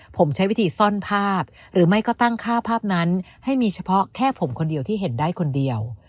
ผมใช้วิธีซ่อนภาพหรือไม่ก็ตั้งค่าภาพนั้นให้มีเฉพาะแค่ผมคนเดียวที่เห็นได้คนเดียว